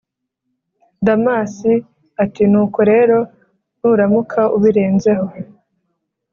damas ati: nuko rero, nuramuka ubirenzeho,